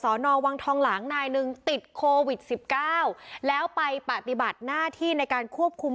นอวังทองหลางนายหนึ่งติดโควิดสิบเก้าแล้วไปปฏิบัติหน้าที่ในการควบคุม